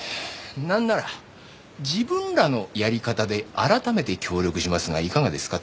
なんなら自分らのやり方で改めて協力しますがいかがですか？